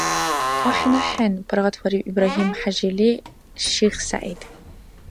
— АхӀен, ахӀен, — паргъатвариб Ибрагьим-ХӀяжили ШихсягӀид.